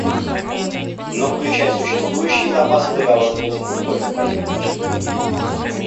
Но включать существующие запасы договор должен не только по этим причинам.